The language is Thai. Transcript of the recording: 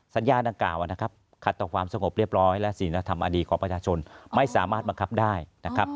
สัญญาดังกล่าวนะครับขัดต่อความสงบเรียบร้อยและศิลธรรมอดีตของประชาชนไม่สามารถบังคับได้นะครับ